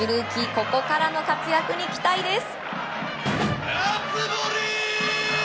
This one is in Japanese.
ここからの活躍に期待です！